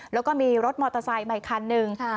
แล้วก็มีรถมอเตอร์ไซค์มาอีกคันนึง